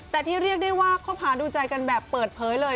แต่ที่เรียกได้ว่าคบหาดูใจกันแบบเปิดเผยเลย